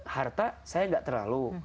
harta saya gak terlalu